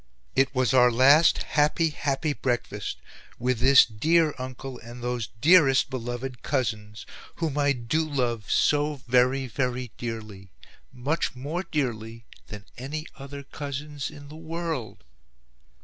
"It was our last HAPPY HAPPY breakfast, with this dear Uncle and those DEAREST beloved cousins, whom I DO love so VERY VERY dearly; MUCH MORE DEARLY than any other cousins in the WORLD.